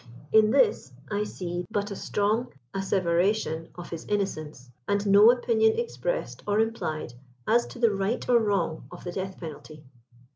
In this I see but n strong asseveration of his innocence, and no opinion expressed or implied as to the right or wrong of the death penalty.